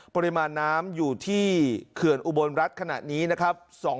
ปริมาณน้ำอยู่ที่เขื่อนอุบลรัฐขณะนี้นะครับ